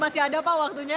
masih ada pak waktunya